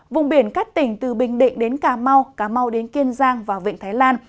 vùng biển các tỉnh từ bình định đến cà mau cà mau đến kiên giang và vịnh thái lan